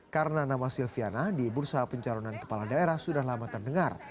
karena nama silviana di bursa pencarunan kepala daerah sudah lama terdengar